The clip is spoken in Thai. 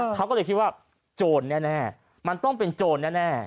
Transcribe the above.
เขาก็เลยคิดว่าโจรแน่มันต้องเป็นโจรแน่